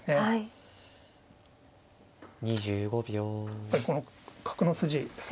やっぱりこの角の筋が。